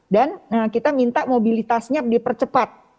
dan kita minta mobilitasnya dipercepat